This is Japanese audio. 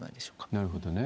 なるほどね。